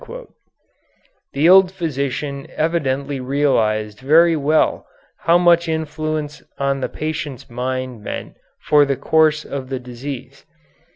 The old physician evidently realized very well how much influence on the patient's mind meant for the course of the disease.